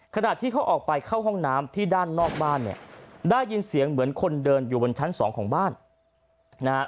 ขณะที่เขาออกไปเข้าห้องน้ำที่ด้านนอกบ้านเนี่ยได้ยินเสียงเหมือนคนเดินอยู่บนชั้นสองของบ้านนะฮะ